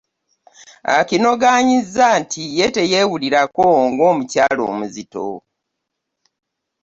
Akinoganyiza nti ye teyewulirako ng'omukyala omuzito.